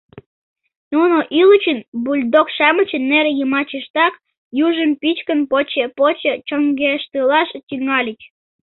Нуно ӱлычын, бульдог-шамычын нер йымачыштак южым пӱчкын поче-поче чоҥештылаш тӱҥальыч.